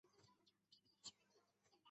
在场上司职守门员。